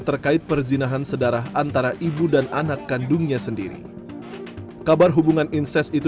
terkait perzinahan sedarah antara ibu dan anak kandungnya sendiri kabar hubungan inses itu